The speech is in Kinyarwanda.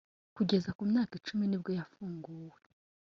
Kugeza ku myaka icumi nibwo yafunguwe